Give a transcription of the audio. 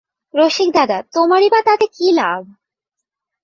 রসিকদাদা, তোমারই বা তাতে কী লাভ?